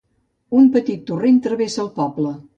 Un petit torrent travessa el poble.